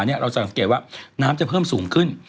เราจะสังเกตว่าน้ำจะเพิ่มสูงขึ้น